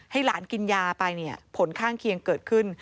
ให้หลานกินยาไปผลข้างเคียงเกิดขึ้น